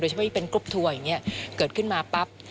เฉพาะที่เป็นกรุ๊ปทัวร์อย่างนี้เกิดขึ้นมาปั๊บ